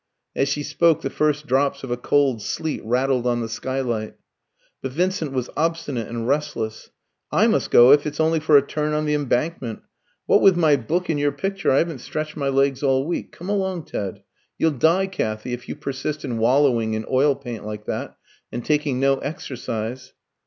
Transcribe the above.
As she spoke, the first drops of a cold sleet rattled on the skylight. But Vincent was obstinate and restless. "I must go, if it's only for a turn on the Embankment. What with my book and your picture, I haven't stretched my legs all week. Come along, Ted. You'll die, Kathy, if you persist in wallowing in oil paint like that, and taking no exercise."